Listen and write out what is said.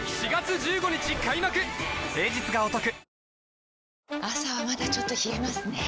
一体この朝はまだちょっと冷えますねぇ。